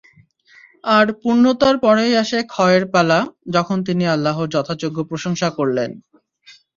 আর পূর্ণতার পরেই আসে ক্ষয়ের পালা তখন তিনি আল্লাহর যথাযোগ্য প্রশংসা করলেন।